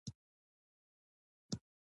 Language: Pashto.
ما ځان ډاډه کړ چي پاسیني رښتیا هم مړی شوی دی.